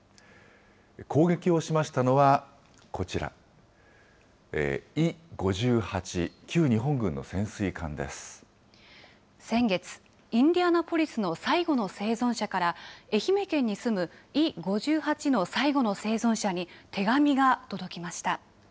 攻撃をしましたのはこちら、先月、インディアナポリスの最後の生存者から愛媛県に住む伊５８の最後の生存者に手紙が届きました。